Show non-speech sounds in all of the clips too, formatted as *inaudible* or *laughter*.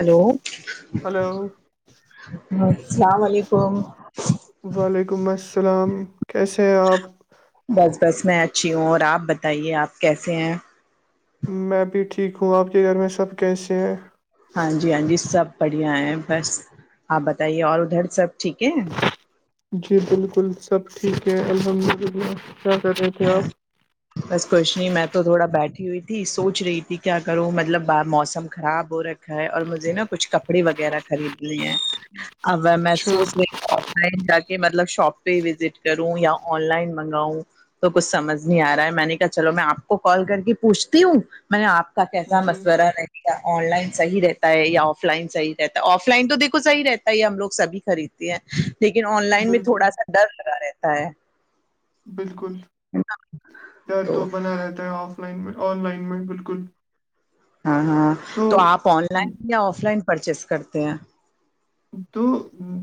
hello hello السلام علیکم وعلیکم السلام کیسے ہیں آپ بس بس میں اچھی ہوں اور آپ بتائیے آپ کیسے ہیں میں بھی ٹھیک ہوں آپ کے گھر میں سب کیسے ہیں ہاں جی ہاں جی سب بڑھیا ہیں بس آپ بتائیے اور ادھر سب ٹھیک ہے جی بالکل سب ٹھیک ہے الحمد للہ کیا کر رہے تھے آپ بس کچھ نہیں میں تو تھوڑا بیٹھی ہوئی تھی سوچ رہی تھی کیا کروں مطلب موسم خراب ہو رہا ا ہے اور مجھے نا کچھ کپڑے وغیرہ خریدنے ہیں اب وہ اچھا محسوس نہیں لن جا کے مطلب شاپ پہ وزٹ کروں یا آن لائن منگاؤں تو کچھ سمجھ نہیں آ رہا ہے میں نے کہا چلو میں آپ کو کال کر کے پوچھتی ہوں میں نے آپ کا کیسا جی مشورہ ہے آن لائن صحیح رہتا ہے یا آف لائن صحی رہتا ہے آف لائن تو دھو صحیح رہتا ہے یہ ہم لوگ سھی خریدتے لیکن آن لائن میں بالکل تھوڑا سا ڈر لگا رہتا ہے بالکل نا ڈر تو بنا رہتا ہے آف لائن میں آن لائن میں بالکل ہاں ہاں تو آپ آن لائن یا آف لائن پرچیز کرتے ہیں تو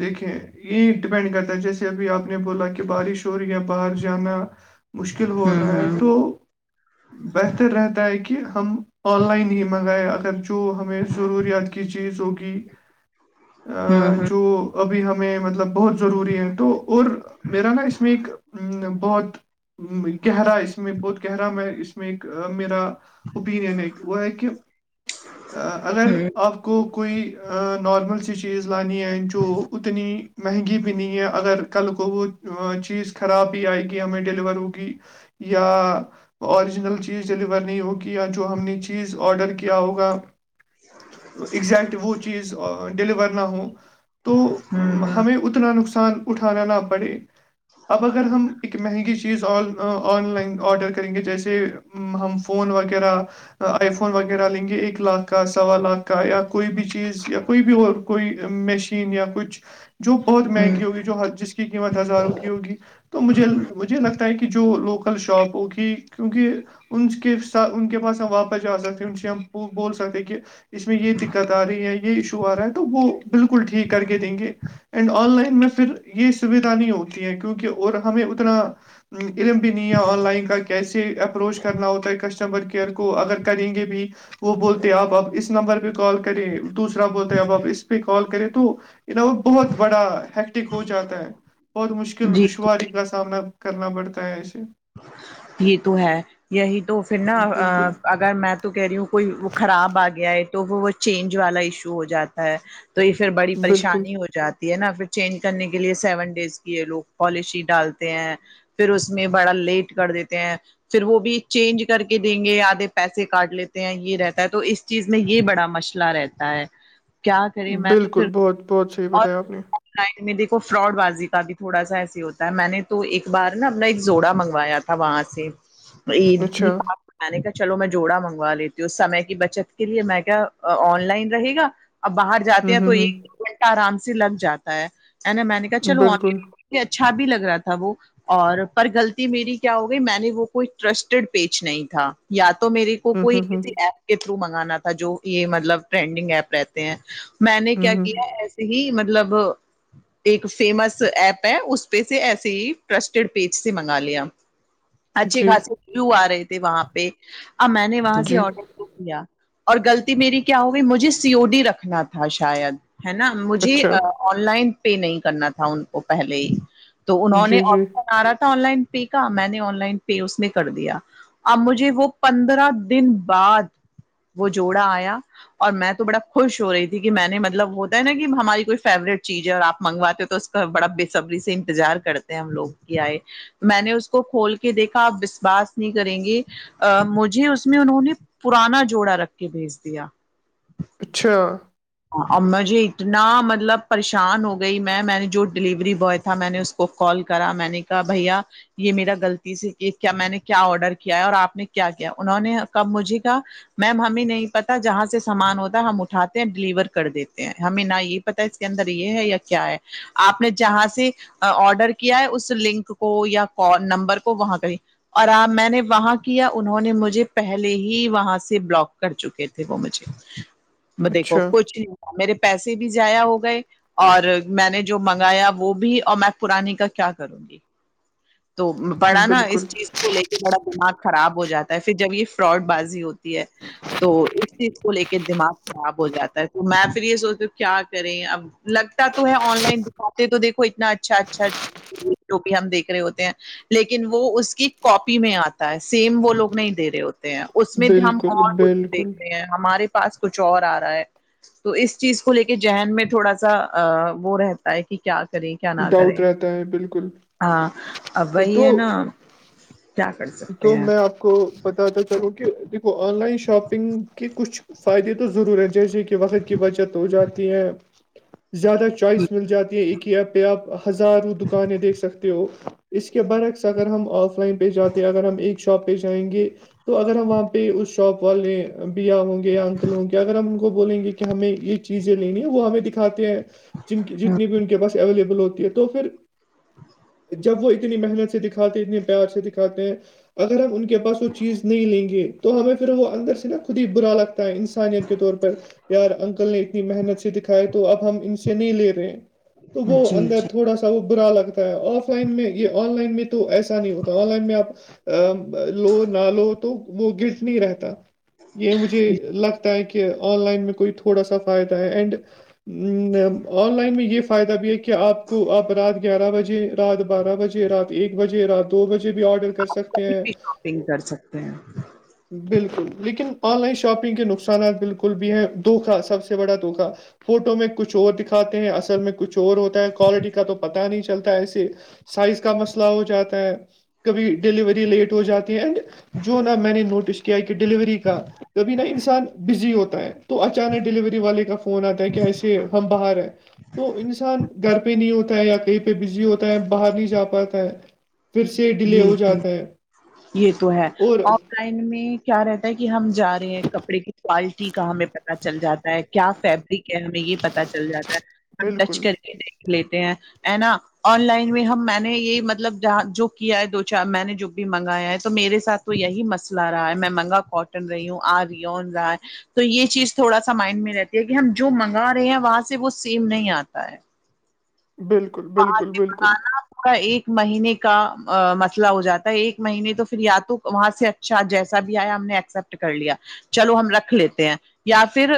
دیکھیں یہ ڈیپینڈ کرتا ہے جیسے ابھی آپ نے بولا کہ بارش ہو رہی یا باہر جانا مشکل ہو ہوں رہا ہے ہوں تو بہتر رہتا ہے کہ ہم آن لائن ہی منگائے اگر جو ہمیں ضروریات کی چیز ہوگی ہوں جو ابھی ہمیں مطلب بہت ضروری ہے تو اور میرا نا اس میں ایک بہت گہرائش میں بہت کہہ رہا ہ میں اس میں ایک میرا اوپینن ہے ایک وہ ہے کہ اگر ہوں آپ کو کوئی نارمل سچو ل ہے جو اتنی مہنگی بھی نہیں ہے اگر کل کو وہ چیز خراب بھی آئے گی ہمیں ڈیلیور ہوگی یا اوریجنل چیز ڈیلیور نہیں ہوگی یا جو ہم نے چیز آڈر کیا ہوگا ایگزیکٹ وہ چیز ڈیلیور نہ ہو تو ہوں ہوں ہمیں اتنا نقصان اٹھانا نہ پڑے اب اگر ہم ایک مہنگی چیز آ آن لائن آڈر کریں گے جیسے ہم فون وغیرہ آئی فون وغیرہ لیں گے ایک لاکھ کا سوا لاکھ کا یا کوئی بھی چیز یا کوئی بھی اور کوئی مشین یا کچھ جو بہت ہوں مہنگی ہوگی جو جس کی قیمت ہزاروں کی ہوگی تو مجھے مجھے لگتا ہے کہ جو لوکل شاپ ہوگی کیونکہ ان کے ساتھ ان کے پاس ہم واپس جا سکتے ان سے ہم بول سکتے کہ اس میں یہ دقت آ رہی ہے یہ ایشو آ رہا ہے تو وہ بالکل ٹھیک کر کے دیں گے اینڈ آن لائن میں پھر یہ سویدھا نہیں ہوتی ہے کیونکہ اور ہمیں اتنا علم بھی نہیں ہے آن لائن کا کیسے اپروچ کرنا ہوتا ہے کسٹمر کیئر کو اگر کریں گے بھی وہ بولتے ہیں آپ آپ اس نمبر پہ کال کریں دوسرا بولتے اب آپ سال کرے تو وہ بہت بڑا ٹ ہو جاتا ہے اورہت مشکل جی دشواری کا سامنا کرنا پڑتا ہے ایسے یہ تو ہے یہی تو پھر نا بالکل اگر میں تو کہہ رہی ہوں کوئی وہ خراب آ گیا ہے تو وہ وہ چینج والا ایشو ہو جاتا ہے تو یہ پھر بڑی بالکل پریشانی ہو جاتی نا پھر چینج کرنے کے لیے سیون ڈیز کی ہے لوگ پالیشی ڈالتے ہیں پھر اس میں بڑا لیٹ کر دیتے ہیں پھر وہ بھی چینج کر کے دیں گے آدھے پیسے کاٹ لیتے ہیں یہ رہتا ہے تو اس چیز میں یہ بڑا مسئلہ رہتا ہے کیا کریں میں بالکل پھر بہت بہت صحیح اور بتایا آپ نے لائن میں دیکھو فراڈ بازی کا بھی تھوڑا سا ایسے ہوتا ہے میں نے تو ایک بار نا اپنا ایک جوڑا منگوایا تھا تھا وہاں سے یہ اچھا نپ میں نے کہا چلو میں جوڑا منگوا لیتی ہوں سمے کی بچت کے لیے میں کیا آن لائن رہے گا اب باہر جاتے ہوں ہیں تو ہوں ایک ہوں گھنٹہ آرام سے لگ جاتا ہے میں نے کہا چلو بالکل آن اچھا بھی لگ رہا تھا وہ اور پر غلط میری ہو گئی میں نے وہ کوئی ٹسٹیڈ پیج نہیں تھا یا تو میرے کو ہوں کوئی ہوں ہوں کسی ایپ کے تھرو منگانا تھا جو یہ مطلب ٹرینڈنگ ایپ رہتے ہیں میں نے ہوں کیا ہوں کیا ہی مطلب ایک فیمس ایپ ہے اس پہ سے ایسے ہی ٹرسٹیڈ پیج سے منگا لیا اچھے جی خاصے وو آ رہے تھے وہاں پہ اب میں نے وہاں سے جی آڈر شکریہ اور غلط میری کیا ہو گئی مجھے سی او ڈی رکھنا تھا شاید ہے نا مجھے اچھا آن لائن پے نہیں کرنا تھا ان کو پہلے ہی تو انہوں نے جی، جی، آپشن آ رہا تھا آن لائن کہ میں نے آن لائن پے اس نے کر دیا اب مجھے وہ پندرہ دن بعد وہ جوڑا آیا اور میں تو بڑا خوش ہو رہی تھی کہ میں نے مطلب ہوتا ہے نا کہ ہماری کوئی فیوریٹ چیز ہے اور آپ منگواتے ہو تو اس بڑا بےسبری سے انتظار کرتے ہیں ہم لوگ کی آئے میں نے اس کو کھول کے دیکھا آپ وشواس نہیں کریں گے ا مجھے اس میں انہوں نے پرانا جوڑا رکھ کے بھیج دیا اچھا اور مجھے اتنا مطلب پریشان ہو گئی میں میں نے جو ڈلیوری بوائے تھا میں نے اس کو کال کرا میں نے کہا بھیا یہ میرا غلطی سے کہ کیا میں نے کیا آڈر کیا ہے اور آپ نے کیا کیا انہوں نے کب مجھے کہ میم ہمیں نہیں پتا جہاں سے سامان ہوتا ہے ہم اٹھاتے ہیں ڈیلیور کر دیتے ہیں ہمیں نہ یہ پتا ہے اس کے اندر یہ ہے یا کیا ہے آپ نے جہاں سے آڈر کیا ہے اس لنک کو یا نمبر کو وہاں کا اور آ میں نے وہاں کیا انہوں نے مجھے پہلے ہی وہاں سے بلاک کر چکے تھے وہ مجھے میں دیکھو اچھا، کچھ نہیں ہو میرے پیسے بھی جضایا ہو گئے اور میں نے جو منگایا وہ بھی اور میں پرانی کا کیا کروں گی تو پڑا نا بالکل، اس چیز کو لے کے بڑا دماغ خراب ہو جاتا ہے پھر جب یہ فراڈ بازی ہوتی ہے تو اس چیز کو لے کے دماغ خراب ہو جاتا ہے تو میں پھر یہ سوچتی ہ کیا کریں اب لگتا تو ہے آن لائن دکھاتے تو دیکھو اتنا اچھا اچھا جو بھی ہم دیکھ رہے ہوتے ہیں لیکن وہ اس کی کاپی میں آتا ہے سیم وہ لوگ نہیں دے رہے ہوتے اس میں بھی ہم بالکل، اور کچھ بالکل، دیکھ رہے ہیں ہمارے پاس کچھ اور آ رہا ہے تو اس چیز کو لے کے ذہن میں تھوڑا سا وہ رہتا کہ کیا کرے کیا نہ کرے ڈاؤٹ رہتا ہے، بالکل، ہاں ا وہی ہے تو نا کیا کر سکتے تو ہیں میں آپ کو بتاتا چاہوں کہ دیکھو آن لائن شاپنگ کی کچھ فائدے تو ضرور ہیں جیسے کہ وقت کی بچت ہو جاتی ہے زیادہ چوائس مل جاتی ہے ایک ہی ایپ پہ آپ ہزاروں دکانیں دیکھ سکتے ہو اس کے برعکس اگر ہم آف لائن پہ جاتے اگر ہم ایک شاپ پہ جائیں گے تو اگر ہم وہاں پہ اس شاپ والے بیا ہوں گے یا ا انکلوں کے اگر ہم ان کو بولیں گے کہ ہمیں یہ چیزیں لینی ہے وہ ہمیں دکھاتے ہیں جن کی جتنی بھی ان کے پاس اویلیبل ہوتی ہے تو پھر جب وہ اتنی محنت سے دکھاتے ہیں اتنے پیار سے دکھاتے ہیں اگر ہم ان کے کے پاس وہ چیز نہیں لیں گے تو ہمیں پھر وہ اندر سے نا خود ہی برا لگتا انسانیت کے طور پر یار انکل نے اتنی محنت سے دکھایا تو اب ہم ان سے نہیں لے رہے ہیں تو وہ جی اندر جی تھوڑا سا وہ برا لگتا ہے آف لائن میں یہ آن لائن میں تو ایسا نہیں ہوتا آ لائن میں آپ لو نہ لو تو وہ گرس نہیں رہتا یہ مجھے لگتا ہے کہ آن لائن میں کوئی تھوڑا سا فائدہ ہے اینڈ آن لائن میں یہ فائدہ بھی ہے کہ آپ کو اب رات گیارہ بجے رات بارہ بجے رات ایک بجے رات دو بجے بھی آڈر کر آپ سکتے کبھی ہیں بھی شاپنگ کر سکتے ہیں بالکل لیکن آن لائن شاپنگ کے نقصانات بالکل بھی ہیں دھوکا سب سے بڑا دھوکا فوٹو میں کچھ اور دکھاتے ہیں اصل میں کچھ اور ہوتا ہے کوالٹی کا تو پتا نہیں چلتا ہے ایسے سائز کا مسئلہ ہو جاتا ہے کبھی ڈیلیوری لیٹ ہو جاتی ہے اینڈ جو نہ میں نے نوٹس کیا کہ ڈیلیوری کا کبھی نہا انسان بزی ہوتا ہے تو اچانک ڈیلیوری والے کا فون آتا ہے کہ ایسے ہم باہر ہیں تو انسان گھر پہ نہیں ہوتا ہے یا کہیں پہ بزی ہوتا ہے باہر نہیں جا پاتا ہے پھر سے ڈیلے جی ہو جی جاتا ہے یہ تو ہے اور لن میں کیا رہتا ہے کہ ہم جا رہے ہیں کپڑے کی کوالٹی کا ہمیں پ پ چل جاتا ہے کیا فیبرک ہے ہمیں یہ پتا چل جاتا ہے ہم ٹچ بالکل کر کے د لیتے ہیں ہے نا آن لائن میں ہم میں نے یہ مطلب ج جو کیا ہے دو چار میں نے جو بھی منگایا ہے تو میرے ساتھ تو یہی مسئلہ رہا ہے میں منگا کون ٹ رہیوں آ رہ رہا تو یہ چیز تھوڑا سا مائنڈ میں رہتی ہے کہ ہم جو منگا رہے ہیں وہاں سے وہ سیم نہیں آتا ہے بالکل پ بالکل کے بالکل بکانا کا ایک مہینے کا مسئلہ ہو جاتا ہے ایک مہینے تو پھر یا تو وہاں سے شاید جیسا بھی آیا ہم نے ایکسپٹ کر لیا چلو ہم رکھ لیتے ہیں یا پھر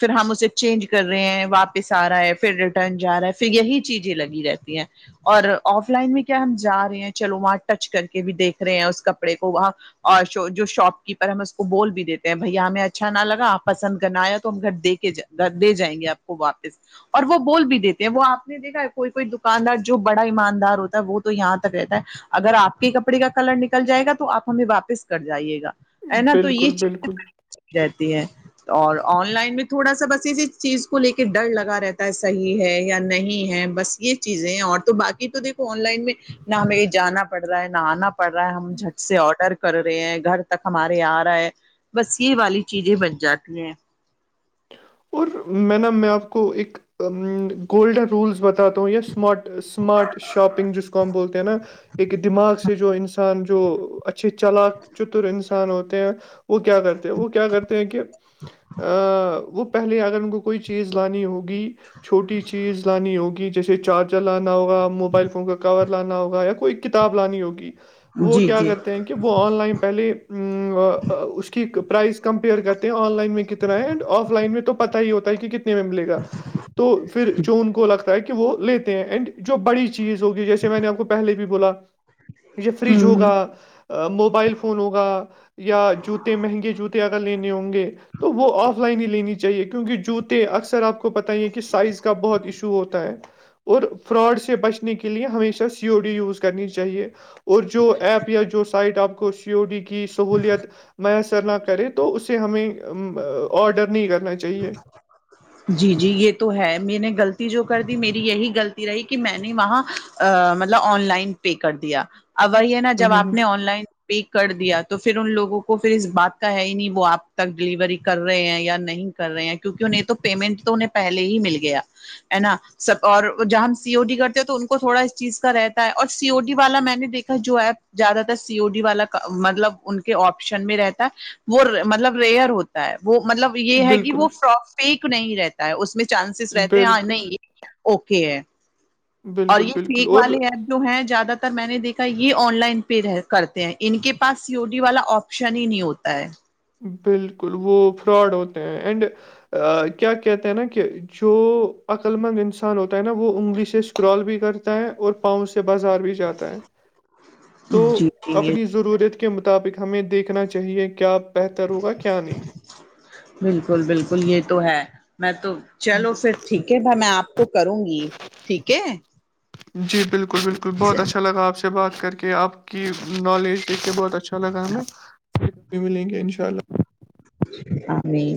پھر ہم اسے چینج کر رہے ہیں واپس آ رہا ہے پھر ریٹرن جا رہا ہے پھر یہی چیز لگی رہتی ہیں اور آف لائن میں کیا ہم جا رہے ہیں چلو وہاں ٹچ کر کے بھی دیکھ رہے ہیں اس کپڑے کو وہاں اور جو شاپ کیپر ہم اس کو بول بھی دیتے ہیں بھ ہمیں اچھا نہ لگا آپ پسند کرنا آیا تو ہم گھر دے کے دے جائیں گے آپ کو واپس اور وہ بول بھی دیتے ہیں وہ آپ نے دیکھا ہے کوئی کوئی دکاندار جو بڑا ایماندار ہوتا ہے وہ تو یہاں تک رہتا ہے اگر آپ کے کپڑے کا کلر نکل جائے گا تو آپ ہمیں واپس کر جائیے گا ہے نا تو یہ بالکل بالکل چیزیں رہتی ہیں اور آن لائن میں تھوڑا سا بس اسی چیز کو لے کے ڈر لگا رہتا ہے صحیح ہے یا نہیں ہے بس یہ چیزیں ہیں اور تو باقی تو دیکو آن لائن میں نہ ہمیں جانا پڑ رہا ہے نہ آنا پڑ رہا ہے ہم ج سے آڈر کر رہے ہیں گھر تک ہمارے یہ آ رہا ہے بس یہ والی چیزیں بن جاتی ہیں اور میں نا میں آپ کو ایک گولڈن رولس بتاتا ہوں یامارٹ اسمارٹ شاپنگ جس کو ہم بولتے ہیں نا ایک دماغ سے جو انسان جو اچھا اچھے چلاک چتر انسان ہوتے ہیں وہ کیا کرتے ہیں وہ کیا کرتے ہیں کہ *unintelligible* ا وہ اگر ان کو کوئی چیز لانی ہوگی چھوٹی چیز لانی ہوگی جیسے چار لانا ہوگا موبائل فون کا کور لانا ہوگا یا کوئی کتاب لانی ہوگی وہ جی کیا جی کرتے ہیں کہ *unintelligible* کہ وہ آن لائن پہلے اس کی پرائز کمپیئر کرتے ہیں آن لائن میں کتنا ہےڈ آف لائن میں تو پتا ہی ہوتا ہے کہ کتنے میں ملے گا تو پھر جو ان کو لگتا کہ وہ لیتے ہیں اینڈ جو بڑی چیز ہوگی جیسے میں نے آپ کو پہلے بھی بولا فریج ہوں ہوگا موبائل فون ہوگا یا جوتے مہنگے جوتے اگر لینے ہوں گے تو وہ آف لائن ہی لین چاہیے چاہے کیونکہ جوتے اکثر آپ کو پت ہی ہے کہ سائز کا بہت ایشو ہوتا ہے اور فراڈ سے بچنے کے لیے ہمیشہ سی او ڈی یوز کرنی چاہیے اور جو ایپ یا جو سائٹ آپ کو سی او ڈی کی کی سہولیت میسر نہ کرے تو اسے ہمیں آڈر نہیں کرنا چاہیے اچ *inaudible* جی جی یہ تو ہے میں نے غلطی جو کر دی میری یہی غلطی رہی کہ میں نے وہاں مطلب آن لائن پے کر دیا اب وہی ہے نا ہ جب ہ آپ ہ نے آن لائن پے کر دیا تو پھر ان لوگوں کو پھر اس بات کا ہے ہی نہیں وہ آپ تک ڈیلیوری کر رہے ہیں یا نہیں کر رہے ہیں کیونکہ انہیں تو پیمنٹ تو انہیں پہلے ہی مل گیا ہے نا سب اور جب ہم سیو ڈی کرتے تو ان کو تھوڑا اس چیز کا رہتا ہے اور سی ا ڈی والا میں نے دیکھا جو ایپ زیادہ تر سی او ڈی والا مطلب ان کے آپشن میں رہتا ہے وہ مطلب ریئر ہوتا ہے وہ مطلب یہ ہے کہ *unintelligible* بالکل ف پیک نہیں رہتا ہے اس میں چانسیز رہتے ہیں ہاں بالکل نہیں اوکے ہے اور بالکل یہ بالکل سیک اور والے ہیں ہیں زیادہ تر میں نے دیکھا یہ آن لائن پے کرتے ہیں ان کے پاس سی او ڈی والا آپس شنی نہیں ہوتا ہے بالکل وہ فراڈ ہوتے ہیں اینڈ کیا کہتے ہیں نا کہ جو عقلمند انسان ہوتا ہے نا وہ انگلی سے اسکرال بھی کرتا ہے اور پاؤں سے بازار بھی جاتا ہے تو جی جی یہ اپنی ضرورت کی کے مطابق ہمیں دیکھنا چاہیے کیا بہتر ہوگا کیا نہیں بالکل بالکل یہ تو ہے میں تو چلو ب- پھر ٹھیک ہے بائی میں آپ کو کروں گی ٹھیک ہے *unintelligible* جی بالکل بالکل بہت اچھا لگا آپ سے بات کر کے آپ کی نالج دیکھ کے بہت اچھا اء اللہ ملیں گے انشاء اللہ اا